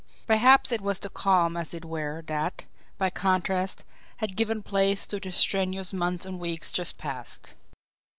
Perhaps it was the calm, as it were, that, by contrast, had given place to the strenuous months and weeks just past.